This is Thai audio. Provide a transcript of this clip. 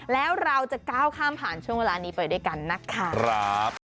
แล้วเราจะก้าวข้ามผ่านช่วงเวลานี้ไปด้วยกันนะคะ